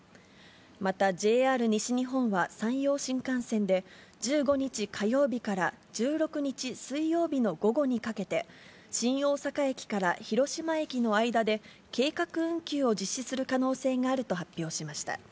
また、ＪＲ西日本は山陽新幹線で、１５日火曜日から１６日水曜日の午後にかけて、新大阪駅から広島駅の間で計画運休を実施する可能性があると発表しました。